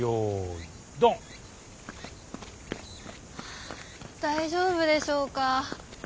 あ大丈夫でしょうか。